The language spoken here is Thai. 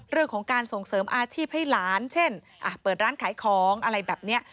เรื่องของการส่งเสริมอาชีพให้หลานเช่นเปิดร้านขายของอะไรแบบนี้